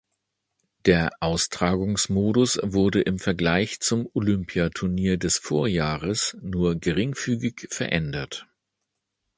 Der Austragungsmodus wurde im Vergleich zum Olympiaturnier des Vorjahres nur geringfügig verändert.